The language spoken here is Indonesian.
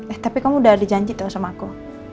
eh tapi kamu udah dijanji tuh sama aku